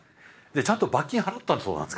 ちゃんと罰金払ったそうなんです。